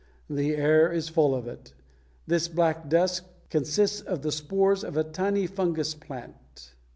The air is full of it. This black dust consists of the spores of a tiny fungous plant.